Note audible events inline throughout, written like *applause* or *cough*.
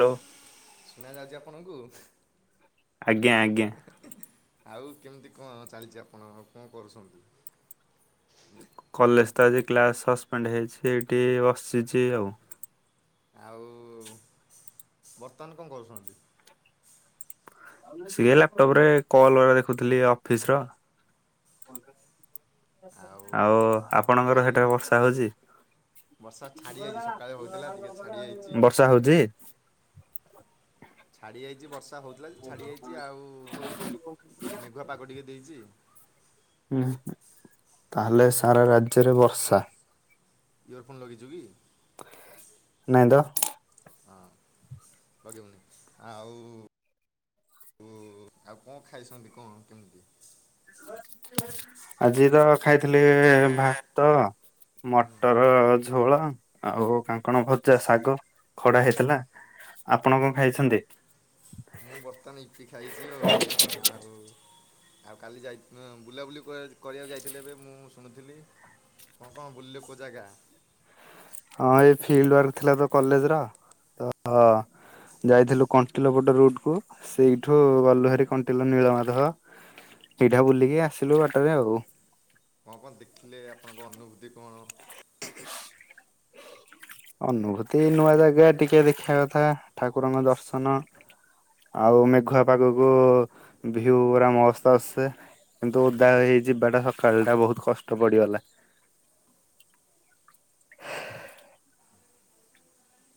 Hello ଶୁଣା ଯାଉଛି ଆପଣଙ୍କୁ? ଆଜ୍ଞା ଆଜ୍ଞା ଆଉ କେମିତି କଣ ଚାଲିଛି ଆପଣ କଣ କରୁଛନ୍ତି? କଲେଜ ତ ଆଜି କ୍ଲାସ ସସ୍ପେଣ୍ଡ ହେଇଛି ଏଠି ବସିଛି ଆଉ। ଆଉ ବର୍ତ୍ତମାନ କଣ କରୁଛନ୍ତି? ସିଏ ଲାପଟପ ରେ କଲ ହେରିକା ଦେଖୁଥିଲି ଅଫିସର। ଆଉ ଆପଣଙ୍କର ଖାଇ ସେଟା ବର୍ଷା ହଉଛି? ବର୍ଷା ଛାଡ଼ି ଯାଇଛି ସକାଳେ ହେଉଥିଲା ଟିକେ ଛାଡ଼ି ଯାଇଛି। ବର୍ଷା ହଉଚି? ଛାଡି ଯାଇଛି ବର୍ଷା ବର୍ଷା ହେଉଥିଲା ଯେ ଛାଡ଼ିଯାଇଛି ଆଉ ମେଘୁଆ ପାଗ ଟିକେ ଦେଇଛି। ହୁଁ ତାହେଲେ ସାରା ରାଜ୍ୟରେ ବର୍ଷା। ଇୟର ଫୋନ୍ ଲଗେଇଛୁ କି? ନାଇଁ ତ। ହଁ ଲଗେଇବୁନି ଆଉ ଓ ଆଉ କଣ ଖାଇଛନ୍ତି କଣ କେମିତି? ଆଜି ତ ଖାଇଥିଲି ଭାତ ମଟର ଝୋଳ ଆଉ କାଙ୍କଣ ଭଜା, ଶାଗ ଖଡା ହେଇଥିଲା। ଆପଣ କଣ ଖାଇଛନ୍ତି? ମୁଁ ବର୍ତ୍ତମାନ ଇପି ଖାଇଛି ଆଉ ଆଉ। ଆଉ କାଲି ଯାଇ ଥିନ୍ ବୁଲାବୁଲି କରିବାକୁ ଯାଇଥିଲେ ଏବେ ମୁଁ ଶୁଣୁଥିଲି। ଙ୍କ ବୁଲିଲେ କୋଉ ଜାଗା। ହଁ ଏଇ ଫିଲ୍ଡ ୱାର୍କ ଥିଲା ତ କଲେଜର ତ ଅ ଯାଇଥିଲୁ କଣ୍ଟିଲୋ ପଟ ରୁଟକୁ ସେଇଠୁ ଗଲୁହାରୀ କଣ୍ଟିଲୋ ନୀଳମାଧବ ଏଇଠା ବୁଲିକି ଆସିଲୁ ବାଟରେ ଆଉ କଣ କଣ ଦେଖିଲେ ଆପଣଙ୍କ ଅନୁଭୂତି କଣ? ଅନୁଭୂତି ନୂଆ ଜାଗା ଟିକେ ଦେଖିବା କଥା ଠାକୁରଙ୍କ ଦର୍ଶନ। ଆଉ ମେଘୁଆ ପାଗକୁ ଭିଉ ଉରା ମସ୍ତ ଆସେ। କିନ୍ତୁ ଓଦା ହେଇ ଯିବାଟା ସକାଳ ଟା ବହୁତ କଷ୍ଟ ପଡିଗଲା। *inaudible*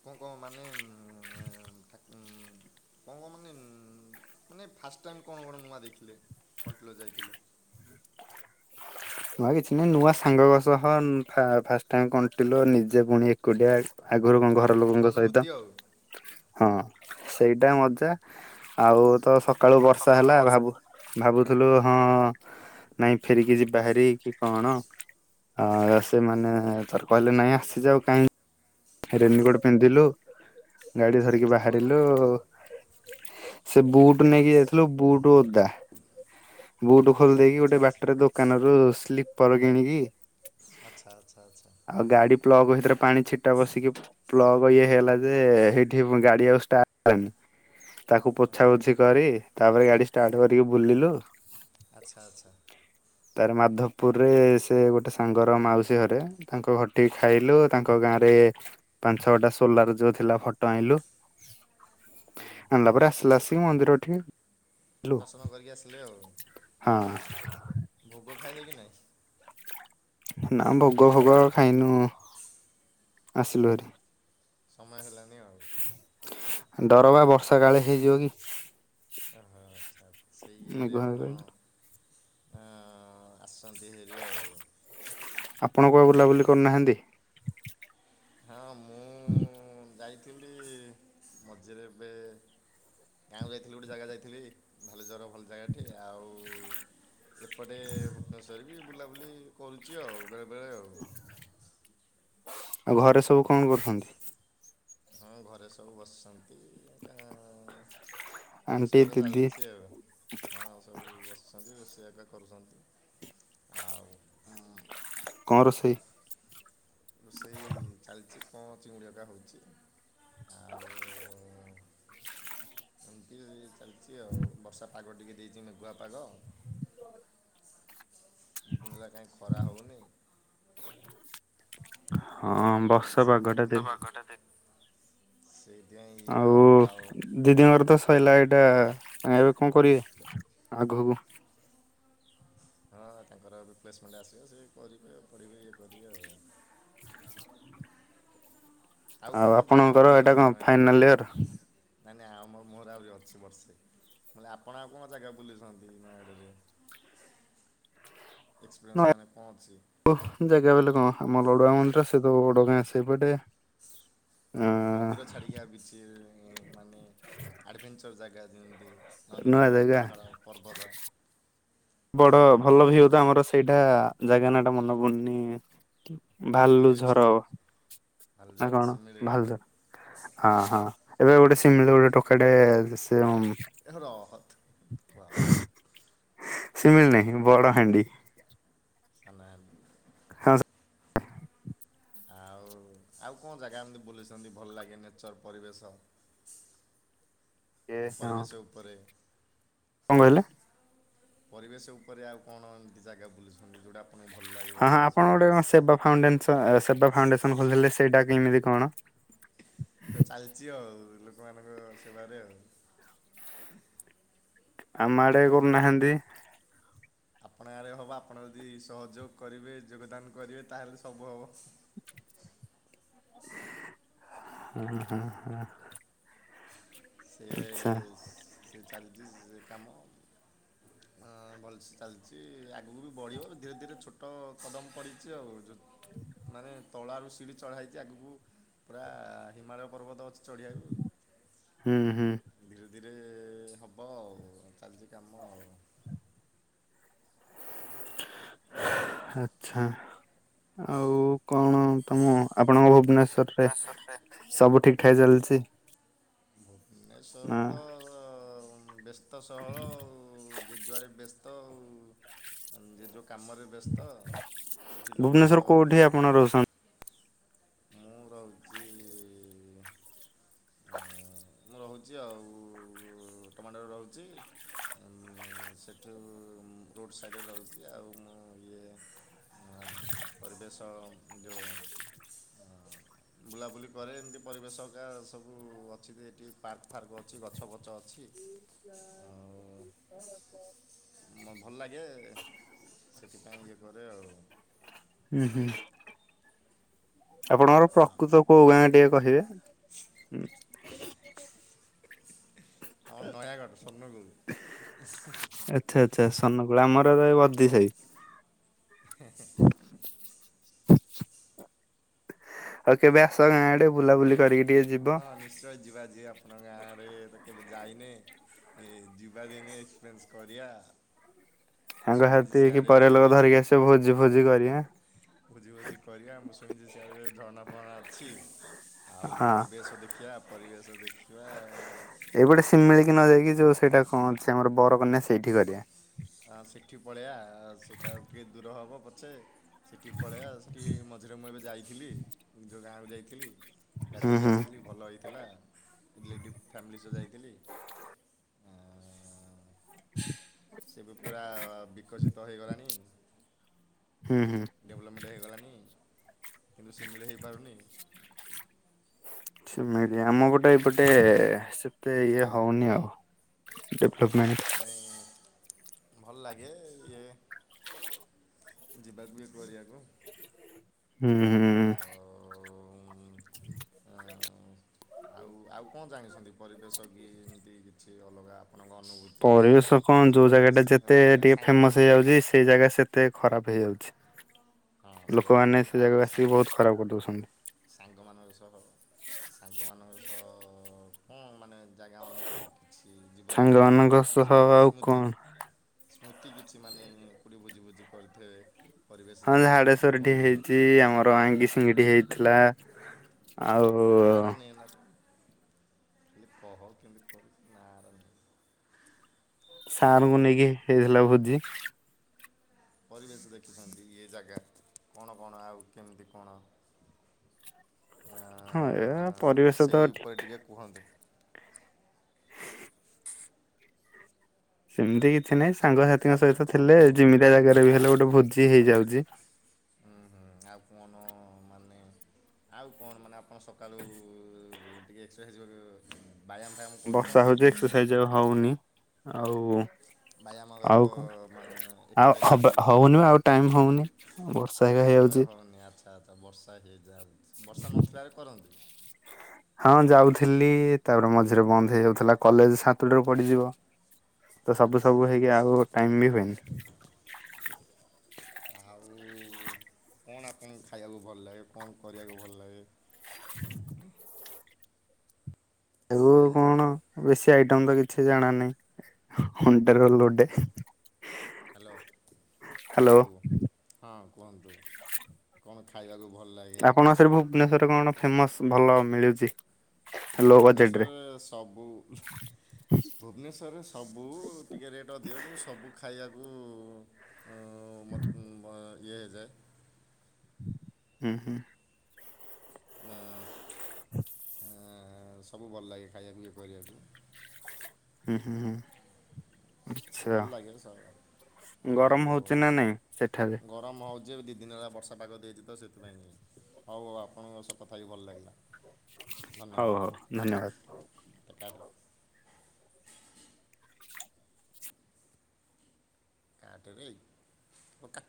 କଣ କଣ ମାନେ *unintelligible* *inaudible* *unintelligible* ମାନେ ମାନେ ଫାଷ୍ଟ ଟାଇମ କଣ କଣ ନୂଆ ଦେଖିଲେ କଣ୍ଟିଲୋ ଯାଇଥିଲେ। ହୁଁ ନୂଆ କିଛି ନାହିଁ ନୂଆ ସାଙ୍ଗଙ୍କ ସହ ନୁ ଫା ଫାଷ୍ଟ ଟାଇମ କଣ୍ଟିଲୋ ନିଜେ ପୁଣି ଏକୁଟିଆ ଆଗରୁ କଣ ଗୋଟେ ଘର ଲୋକଙ୍କ ସହିତ ଅନୁଭୂତି ଆଉ। ହଁ। ସେଇଟା ମଜା ଆଉ ତ ସକାଳୁ ବର୍ଷା ହେଲା ଭାବୁ ଭାବୁଥିଲୁ ହଁ ନାଇଁ ଫେରିକି ଜିବ୍ ବାହାରି କି କଣ ସେମାନେ ତର କହିଲେ ନାଇଁ ଆସିଯାଉ କାହିଁକି ରେନିକୋଟ ପିନ୍ଧିଲୁ ଗାଡି ଆଚ୍ଛା ଧରିକି ଆଚ୍ଛା ଭଲ ବାହାରିଲୁ। ଭଲ ଭଲ ସେ ବୁଟ ନେଇକି ଯାଇଥିଲୁ ବୁଟ ଓଦା ବୁଟ ଖୋଲି ଦେଇକି ଆଚ୍ଛା ଗୋଟେ ଆଚ୍ଛା ବାଟରେ ଦୋକାନ ରୁ ସ୍ଲିପର କିଣିକି ଆଚ୍ଛା ଆଚ୍ଛା ଆଚ୍ଛା। ଆଉ ଗାଡି ପ୍ଲକ ଭଥିରେ ପାଣି ଛି ଟା ବସିକି ପ୍ଲଗ ଇଏ ହେଇଲା ଯେ ସେଇଠି ଗାଡି ଆଉ ଷ୍ଟାର୍ଟ ହେଲାନି। ତାକୁ ପୋଛା ପୋଛି କରି ତାପରେ ଗାଡି ଷ୍ଟାର୍ଟ କରିକି ବୁଲିଲୁ। ଆଚ୍ଛା ଆଚ୍ଛା ତାର ମାଧବପୁରରେ ସେ ଗୋଟେ ସାଙ୍ଗର ମାଉସୀ ଘରେ ତାଙ୍କ ଘରଟିିକି ଖାଇଲୁ ତାଙ୍କ ଗାଁରେ ବେ ପାଞ୍ଚ ଛଅ ଟା ସୋଲାର ଯୋଉ ଥିଲା ଫଟୋ ଆଇଁଲୁ। ଆଣିଲା ପରେ ଆସିଲା ଆସିକି ମନ୍ଦିର ଠି ଦର୍ଶନ କରିକି ଆସିଲେ ଆଉ। ହଁ ଭୋଗ ଖାଇଲେ କି ନହିଁ। ନା ଭୋଗ ଫୋଗ ଆଉ ଖାଇନୁ ଆସିଲୁ ଭାରି। ସମୟ ହେଲାନି ଆଉ। ଡର ବା ବର୍ଷା କାଳେ ହେଇଯିବ କି। ଓହୋ ଆଚ୍ଛା ଆଚ୍ଛା ସେଇ ଇଏରେ ମେଘୁଆ ପାଗ। ଆପଣ ହ ଆସନ୍ତି ହେରି ଆଉ ଆପଣ କଣ ବୁଲାବୁଲି କରୁନାହାନ୍ତି। ହଁ ମୁଁ ଯାଇଥିଲି ମଝିରେ ଏବେ ଗାଁକୁ ଯାଇଥିଲି ଗୋଟେ ଜାଗା ଯାଇଥିଲି ଭାଲୁଚର ଭଲ ଜାଗା ଟିଏ ଆଉ ଏପଟେ ଭୁବନେଶ୍ଵର ବି ବୁଲାବୁଲି କରୁଛି ଆଉ ବେଳେ ବେଳେ ଆଉ ଆଉ ଘରେ ସବୁ କଣ କରୁଛନ୍ତି? ହଁ ଘରେ ସବୁ ବସିଛନ୍ତି କା ଆ ଆଣ୍ଟି ରୋଷେଇବାଷ ଦିଦି ଚାଲିଛି ଆଉ ହଁ ଆଉ ସବୁ ବସିଛନ୍ତି ରୋଷେଇ ସେ ଏକା କରୁଛନ୍ତି ଆଉ କଣ ରୋଷେଇ? ରୋଷେଇ ଚାଲିଛି କଣ ଚିଙ୍ଗୁଡ଼ି ହେର୍ କା ହଉଚି। ଏମିତି ଚାଲିଚି ଆଉ ବର୍ଷା ପାଗ ଟିକେ ହେଇଚି ମେଘୂଆ ପାଗ। ଦି ଦିନ ହେଲା କାହିଁ ଖରା ହଉନି। ହଁ ବର୍ଷ ପାଗଟା ଦେ ସେଇ ଆଉ ଦିଦିଙ୍କର ତ ସଇଲା ଏ ଏଟା ଏବେ କଣ କରିବେ ଆଗକୁ? ହଁ ତାଙ୍କର ରିପ୍ଲେସମେଣ୍ଟ ଆସିବ ସେ କରିବେ ଆଉ ପଢ଼ିବେ ଇଏ କରିବେ ଆଉ। *inaudible* କଣ ଆଉ କଣ ଜାଗା ଆପଣଙ୍କର ଏଇଟା ବୁଲିଛନ୍ତି କଣ ନୟାଗଡ଼ରେ ଫାଇନାଲ ଇୟର? ନାଇଁ ନାଇଁ ଆଉ ମୋର ଆହୁରି ଅଛି ବର୍ଷେ। ମୁଁ କହିଲି ଆପଣ ଆଉ କଣ ଜାଗା ବୁଲିଛନ୍ତି ନୟାଗଡ଼ରେ? *inaudible* ନୂଆ ଏକ୍ସପେରିଏନ୍ସ ମାନେ କଣ ଅଛି? ଜାଗା ବୋଇଲେ କଣ ଆମର ତ *unintelligible* ସେ ତ ବଡଗାଁ ସେଇପଟେ। ମନ୍ଦିର ଛାଡିକି ଆଉ କିଛି ମାନେ ଆଡଭେଞ୍ଚର ଜାଗା ଯେମତି ନଦୀ, ନୂଆ ନାହଳ, ଜାଗା ପାହାଡ, ପର୍ବତ। ବଡ ଜଙ୍ଗଲ ଭଲ ଭିଉ ତ ଆମର ସେଇଟା ଜାଗା ନା ଟା ମନେ ପଡୁନି ଶିମିଳି ଭାଲୁଝର ନା ହାଲଝର କଣ ଶିମିଳି ଭାଲୁଝର ହଁ ହଁ। ଏବେ ଗୋଟେ ସିମିଳି ଗୋଟେ ଟୋକାଟେ ସେ ରହ ତୁ ୱାଓ ଶିମିଳି ନାହିଁ ବଡହାଣ୍ଡି। ସାନହାଣ୍ଡି। ଆଉ *unintelligible* ଆଉ କଣ ଜାଗା ଏମତି ବୁଲଛନ୍ତି ଭଲ ଲାଗେ ନେଚର ପରିବେଶ? ହଁ ପରିବେଶ ଉପରେ *unintelligible* ପରିବେଶ ଉପରେ ଆଉ କଣ ଏମିତି ଜାଗା ବୁଲିଛନ୍ତି ଯୋଉଟା ହଁ ହଁ ଆପଣ ଗୋଟେ କଣ ସେବା ଫାଉଣ୍ଡସନ ସେବା ଫାଉଣ୍ଡେସନ ଖୋଲିଥିଲେ ସେଇଟା କେମିତି କଣ? ଏ ଚାଲିଛି ଆଉ ଲୋକମାନଙ୍କ ସେବାରେ ଆଉ। ଆମ ଆଡେ ବୁଲୁନାହାନ୍ତି। ଆପଣ ଆଡେ ହବ ଆପଣ ଯଦି ସହଯୋଗ କରିବେ ଯୋଗଦାନ କରିବେ ତାହେଲେ ସବୁ ହବ। *inaudible* *unintelligible* ସେ ଆଚ୍ଛା ସେ ସେ କାମ ଭଲସେ ଚାଲିଚି ଆଗକୁ ବଢ଼ିବ ଧୀରେ ଧୀରେ ଛୋଟ କଦମ ପଡ଼ିଛି ଆଉ। ମାନେ ତଳ ଆଡୁ ସିଡିି ଚଢା ହେଇଛି ଆଗକୁ ପୁରା ହିମାଳୟ ପର୍ବତ ଅଛି। ଚଢ଼ିବାକୁ। ହୁଁ ହୁଁ ଧୀରେ ଧୀରେ ହେବ ଆଉ ଚାଲିଛି କାମ ଆଉ। *inaudible* ଆଛା। ଆଉ କଣ ତମ ଆପଣଙ୍କ ଭୁବନେ ଶ୍ୱର ରେ ଭୁବନେଶ୍ୱରରେ ସବୁ ଠିକ୍ ଠାକ୍ ଚାଲିଚି? ଏସବୁ ତ ବ୍ୟସ୍ତ ସହଳ ଆଉ ଯିଏ ଯୁଆଡ଼େ ବ୍ୟ ତ ଆଉ। ଯିଏ ଯୋ କାମରେ ବ୍ୟସ୍ତ। ଏଠି ଲୋକ ଭୁବନେଶ୍ଵର କୋଉଠି କା ଆପଣ ରହୁଛନ୍ତି? ମୁଁ ରହୁଚି ମୁଁ ରହୁଛି ଆଉ *unintelligible* ରହୁଚି। ସେଠୁ ରୋଡ଼୍ ସାଇଡ଼ ରହୁଚି ଆଉ ମୁଁ ଇଏ ପରିବେଶ ଯୋଉ *inaudible* ବୁଲାବୁଲି କରେ ଏମିତି ପରିବେଶକା ସବୁ ଅଛି ଏଠି ପାର୍କ ଫାର୍କ ଅଛି ଗଛ ଫଛ ଅଛି। *unintelligible* ଆଉ ମ ଭଲ ଲାଗେ। ସେଥିପାଇଁ ଇଏ କରେ ଆଉ। ହୁଁ ହୁଁ। ଆପଣଙ୍କର ପ୍ରକୃତ କୋଉ ଗାଁ ଟିକେ କହିବେ ହୁଁ। ଆମର ନୟାଗଡ଼ ସ୍ଵର୍ଣ୍ଣ। *unintelligible* ଅନୁଗୁଳୁ ଆମର ଏ *unintelligible* ସାଇ। ଆଉ କେବେ ଆସ ଗାଁ ଆଡ଼େ ବୁଲାବୁଲି କରିକି ଟିକେ ଯିବ। ହଁ ନିଶ୍ଚୟ ଯିବା ଆଜି ଆପଣଙ୍କ ଗାଁ ଆଡ଼େ ଏବେ କେ ଯାଇନି ଏ ଯିବା ଦିନେ ଏକ୍ସପିରିଏନ୍ସ କରିବା। ସାଙ୍ଗ ଶୁଣିଛି ସାଥି ହେଇକି ସିଆଡ଼େ *unintelligible* ଲୋକ ଧରିକି ଆସିବ ଭୋଜି ଫୋଜି କରିବା। ଭୋଜି ଭୋଜି କରିବା ମୁଁ ଶୁଣିଛି ସିଆଡେ ଝରଣା ପରଣା ଅଛି। ହଁ। ଆଉ ପରିବେଶ ଦେଖିବା ପରିବେଶ ଦେଖିବା ଏ ପଟେ ଆଉ ଶିମିଳିକି ନ ଯାଇକି ଯୋଉ ସେଇଟା କଣ ଅଛି ଆମର ବ *unintelligible* ସେଇଠି କରିବା। ଆ ସେଠି ପଳେଇବା ସେଇଟା ଟିକେ ଦୂର ହବ ପଛେ ସେଠି ପଳେଇବା ସେଠି ମଝିରେ ମୁଁ ଏବେ ଯାଇଥିଲି ଯୋଉ ଗାଁକୁ ଯାଇଥିଲି ହୁଁ ଗାଧେଇକି ହୁଁ ଆସିଥିଲି ଭଲ ହେଇଥିଲା। ରିଲେଟିଭ୍ ଫ୍ୟାମିଲି ସହ ଯାଇଥିଲି। ସେ ବି ପୁରା ବିକଶିତ ହେଇଗଲାଣି। ହୁଁ ହୁଁ। ଡେଭଲପମେଣ୍ଟ ହେଇଗଲାଣି। *unintelligible* ପାରୁନି। ସେମିତି ଆମ ଗୋଟେ ଏପଟେ ସେତେ ଇଏ ହଉନି ଆଉ ଗୁଡନାଇଟ୍। ସେଥିପାଇଁ ଭଲ ଲାଗେ ଇଏ ଯିବାକୁ ଇଏ କରିବାକୁ ଉଁ ଉଁ ଆଉ ଉଁ। ଆଉ ଆଉ କଣ ଜାଣିଛନ୍ତି ପରିବେଶ କି ଏମିତି କିଛି ଏ ଅଲଗା ଆପଣଙ୍କ ଅନୁଭୂତି? ପରିବେଶ କଣ ଯୋଉ ଜୀବନରେ ଜାଗା ଟା ଯେତେ ମାନେ ଟିକେ ସାଙ୍ଗ ଫେମସ୍ ହେଇ ଯାଉଛି ସେଇ ଜାଗା ସେତେ ଖରାପ ହେଇଯାଉଛି ହଁ ସେଇଟା ସତ ଲୋକମାନେ କଥା ସେ ଆଉ ଜାଗା କୁ ଆସିକି ସାଙ୍ଗ ବହୁତ୍ ଖରାପ କରିଦଉଛନ୍ତି। ସାଙ୍ଗମାନଙ୍କ ସହ ସାଙ୍ଗମାନଙ୍କ ସହ ହଁ ମାନେ ଜାଗା ଅନୁଭବ କିଛି ସାଙ୍ଗ ଜୀବନରେ ମାନଙ୍କ ସହ ସ୍ମୃ ଆଉ ସ୍ମୃତି। କଣ ସ୍ମୃତି କିଛି ମାନେ କୋଉଠି ଭୁଜି ଭୁଜି କରିଥିବେ। ପରିବେଶ ହଁ ଜାଗାରେ କିଛି ଝାଡେଶ୍ଵର ଟେ କୁହନ୍ତୁ? ହେଇଚି ଆମର *unintelligible* ସେମିତି ହେଇଥିଲା।। ନାରା ଆଉ ନେନା ଖାଲି କହ କେମିତି କରିଥିଲା ସାରଙ୍କୁ ନେଇକି ଦେଇଥିଲା ଭୋଜି। ପରିବେଶ ଦେଖିଛନ୍ତି ଏ ଜାଗା କଣ କଣ ଆଉ କେମିତି କଣ ହଁ ଏ ଆଁ, ପରିବେଶ ତ ସେଇ ଉପରେ ଠିକ୍ ଟିକେ ଠାକ୍। କୁହନ୍ତୁ ସେମିତି କିଛି ନାହିଁ ସାଙ୍ଗସାଥିଙ୍କ ତାପରେ ସହିତ ଥିଲେ କୁହନ୍ତୁ ଜିମିତିଆ ଉଁ, ଜାଗାରେ ବି ହେଲେ ଗୋଟେ ଭୋ ଜି ହେଇଯାଉଛି। ଆପଣ ମାନେ ଆଉ କଣ ମାନେ ଆପଣ ସକାଳୁ ଟିକେ ଏକ୍ସରସାଇଜ୍ କ ବର୍ଷା ହଉଛି ଏକ୍ସରସାଇଜ୍ ଆଉ ହଉନି ଆଉ ବ୍ୟାୟାମ ଗାକ ଆଉ କଣ ମାନେ ଆଉ ଏକ୍ସରସାଇଜ୍ ହ ଟିକେ ହଉନି ଆଉ ଟାଇମ୍ ହଉନି ବର୍ଷା ହେ ସମୟ ହୋଉନି ଆଚ୍ଛା ଆଚ୍ଛା ବର୍ଷା ହେଇ *unintelligible* ବର୍ଷା ନଥିଲା ବେଳେ କରନ୍ତି? ହଁ ଯାଉଥିଲି ତାପରେ ମଝିରେ ବନ୍ଦ ହେଇଯାଉଥିଲା କଲେଜ ସାତଟା ରୁ ପଡି଼ଯିବ। ତ ସବୁ ଆଚ୍ଛା ସବୁ ହେଇକି ଆଚ୍ଛା ଆଉ ଟାଇମ୍ ବି ହୁଏନି। ଆଉ କଣ ଆପଣଙ୍କୁ ଖାଇବାକୁ ଭଲ ଲାଗେ କଣ କରିବାକୁ ଭଲ ଲାଗେ? *inaudible* ତାକୁ ସେ କଣ ବେଶୀ ଆଇ *unintelligible* କିଛି ଜଣାନାହିଁ *unintelligible* ଲୋଡେ ହ୍ୟାଲୋ କୁହନ୍ତୁ, ହଁ କୁହନ୍ତୁ କଣ ଖାଇବାକୁ ଭଲ ଲାଗେ? ଆପଣଙ୍କ ସାଡେ ଭୁବନେଶ୍ୱରରେ କଣ ଫେମସ ଭଲ ମିଳୁଚି? ଭୁବନେଶ୍ଵରରେ ସବୁ ଭୁବନେଶ୍ୱରରେ ସବୁ ଟିକେ ରେଟ୍ ଅଧିକ, କିନ୍ତୁ ସବୁ ଖାଇଆ *unintelligible* ଯାଏ। ହୁଁ ହୁଁ। ନା। *inaudible* ଏଁ ସବୁ ଭଲ ଲାଗେ ଖାଇଆକୁ ଇଏ କରିଆକୁ। ହୁଁ-ହୁଁ-ହୁଁ। ଆଚ୍ଛା। ଭଲ ଲାଗେ ଆଉ ଗରମ ହଉଚି ନା ନାଇଁ ସେଠାରେ? ଯେଉଁ ଦି ଦିନ ହେଲା ବର୍ଷା ପାଗ ଦେଇଛି ତ ସେଥିପାଇଁ ହଉ ହଉ ଆପଣଙ୍କ ସହ କଥା ହେଇକି ଭଲ ଲାଗିଲା। ହଉ ଧନ୍ୟବାଦ ହଉ ଧନ୍ୟବାଦ। କାଟେ କାଟିବି କା